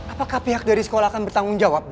apakah pihak dari sekolah akan bertanggung jawab